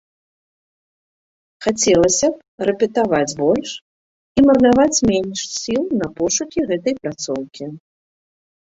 Хацелася б рэпетаваць больш і марнаваць менш сіл на пошукі гэтай пляцоўкі.